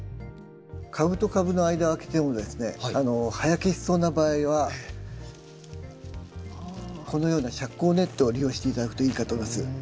株と株の間を空けてもですね葉焼けしそうな場合はこのような遮光ネットを利用して頂くといいかと思います。